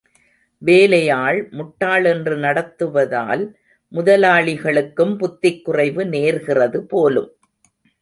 வேலையாள் முட்டாள் என்று நடத்துவதால் முதலாளிகளுக்கும் புத்திக் குறைவு நேர்கிறது போலும்.